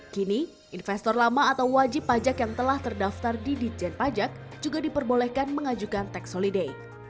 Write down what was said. kini investor lama atau wajib pajak yang telah terdaftar di dijen pajak juga diperbolehkan mengajukan tax holiday